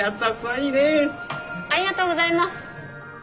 ありがとうございます！